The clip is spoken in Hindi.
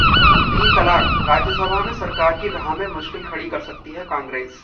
तीन तलाक: राज्यसभा में सरकार की राह में मुश्किल खड़ी कर सकती है कांग्रेस